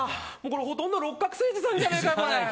ほとんど六角精児さんじゃねえかよ。